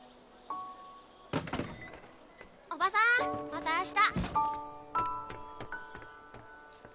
おばさんまた明日。